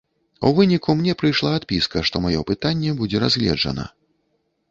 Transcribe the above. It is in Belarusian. У выніку мне прыйшла адпіска, што маё пытанне будзе разгледжана.